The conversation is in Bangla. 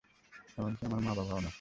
এমনকি আমার বাবা ও না।